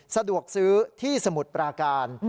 สะดวกซื้อที่สมุทรปราการ